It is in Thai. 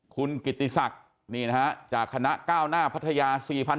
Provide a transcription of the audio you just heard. คุณกิติศักดิ์จากคณะก้าวหน้าภัทยา๔๔๐๐